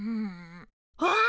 あっ！